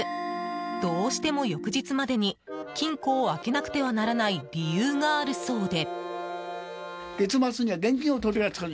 どうしても翌日までに金庫を開けなくてはならない理由があるそうで。